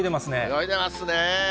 泳いでますね。